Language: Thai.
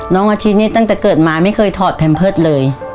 น้องอาชินี่ตั้งแต่เกิดมาไม่เคยถอดแพมเพิร์ตเลย